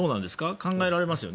考えられますよね。